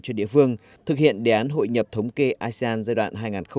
cho địa phương thực hiện đề án hội nhập thống kê asean giai đoạn hai nghìn một mươi sáu hai nghìn hai mươi